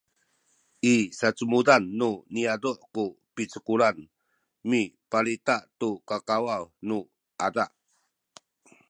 i sacumudan nu niyazu’ ku picekulan mipalita tu kakawaw nu ada